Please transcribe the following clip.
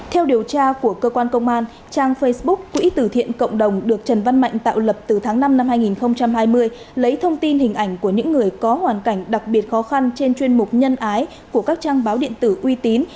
theo điều tra của cơ quan công an trang facebook quỹ từ thiện cộng đồng được trần văn mạnh tạo lập từ tháng năm năm hai nghìn hai mươi lấy thông tin hình ảnh của những người có hoàn cảnh đặc biệt khó khăn trên chuyên mục nhân ái của các trang báo điện tử uy tín